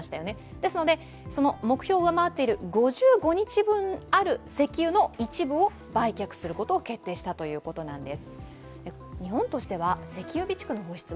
ですので、目標を上回っている５５日分ある石油の一部を売却することを決定したということなんです。